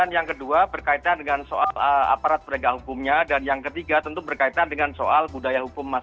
yang pertama adalah